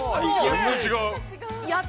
◆全然違う。